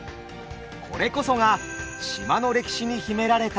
これこそが島の歴史に秘められた謎。